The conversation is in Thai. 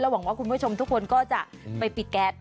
หวังว่าคุณผู้ชมทุกคนก็จะไปปิดแก๊ส